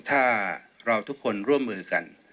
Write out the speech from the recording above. ถ้าเราทุกคนร่วมมือกัน